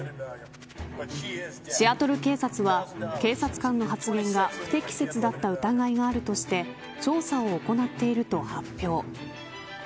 シアトル警察は、警察官の発言が不適切だった疑いがあるとして捜査を行っていると発表。